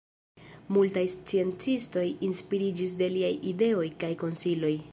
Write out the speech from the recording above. Multaj sciencistoj inspiriĝis de liaj ideoj kaj konsiloj.